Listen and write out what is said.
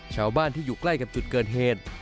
ชาวบ้านที่อยู่ใกล้กับจุดเกิดเหตุ